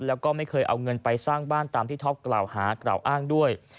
แล้วก็ไม่เคยเอาเงินไปสร้างบ้านตามที่ท็อปกล่าวหากล่าวอ้างด้วย